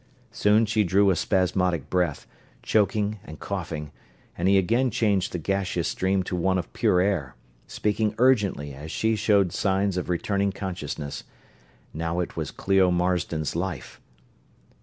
Soon she drew a spasmodic breath, choking and coughing, and he again changed the gaseous stream to one of pure air, speaking urgently as she showed signs of returning consciousness. Now, it was Clio Marsden's life.